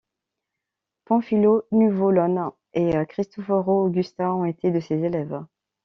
Panfilo Nuvolone et Cristoforo Augusta ont été de ses élèves.